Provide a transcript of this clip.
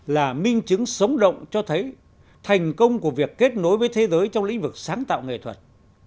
là minh chứng sống động cho thấy thành công của việc kết nối với thế giới trong lĩnh vực sáng tạo nghệ thuật